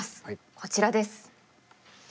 こちらです。